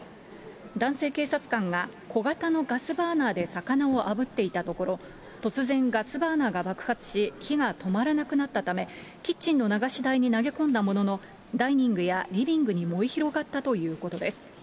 男性警察官が、小型のガスバーナーで魚をあぶっていたところ、突然、ガスバーナーが爆発し、火が止まらなくなったため、キッチンの流し台に投げ込んだものの、ダイニングやリビングに燃え広がったということです。